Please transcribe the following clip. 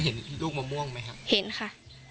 เห็นค่ะ